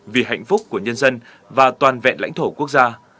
vì hạnh phúc của nhân dân và toàn vẹn lãnh thổ quốc gia